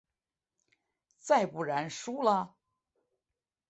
再不然输了？